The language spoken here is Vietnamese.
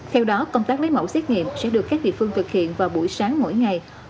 theo đó công tác lấy mẫu xét nghiệm sẽ được các địa phương thực hiện vào buổi sáng mỗi ngày